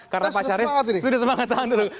karena pak syarif sudah semangat tahan dulu